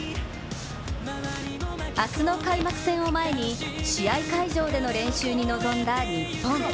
明日の開幕戦を前に試合会場での練習に臨んだ日本。